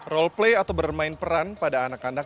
roleplay atau bermain peran pada anak anak